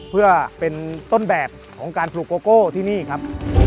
เพื่อเป็นต้นแบบของการปลูกโกโก้ที่นี่ครับ